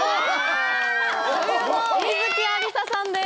女優の観月ありささんです。